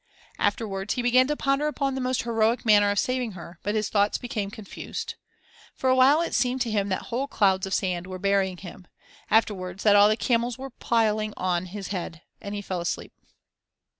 Afterwards he began to ponder upon the most heroic manner of saving her, but his thoughts became confused. For a while it seemed to him that whole clouds of sand were burying him; afterwards that all the camels were piling on his head, and he fell asleep.